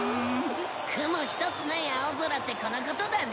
雲ひとつない青空ってこのことだね。